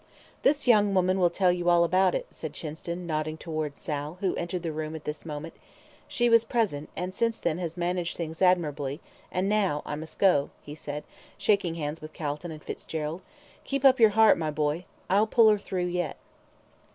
"This young woman will tell you all about it," said Chinston, nodding towards Sal, who entered the room at this moment. "She was present, and since then has managed things admirably; and now I must go," he said, shaking hands with Calton and Fitzgerald. "Keep up your heart, my boy; I'll pull her through yet."